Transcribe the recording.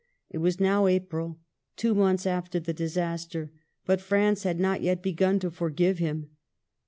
It was now April, two months after the disaster ; but France had not yet begun to forgive him.